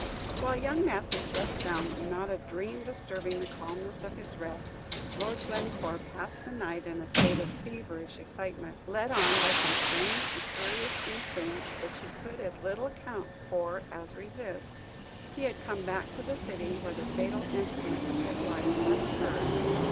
While young Massy slept soundly, not a dream disturbing the calmness of his rest, Lord Glencore passed the night in a state of feverish excitement. Led on by some strange, mysterious influence, which he could as little account for as resist, he had come back to the city where the fatal incident of his life had occurred.